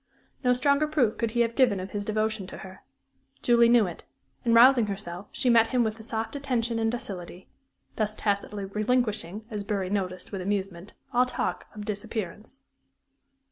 No stronger proof could he have given of his devotion to her. Julie knew it, and, rousing herself, she met him with a soft attention and docility; thus tacitly relinquishing, as Bury noticed with amusement, all talk of "disappearance."